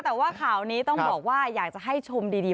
แต่ว่าข่าวนี้ต้องบอกว่าอยากจะให้ชมดี